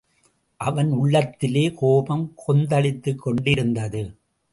அவன் உள்ளத்திலே கோபம் கொந்தளித்துக்கொண்டிருந்தது.